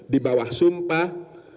di bawah sumpah